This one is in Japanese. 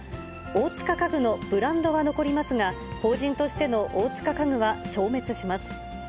大塚家具のブランドは残りますが、法人としての大塚家具は消滅します。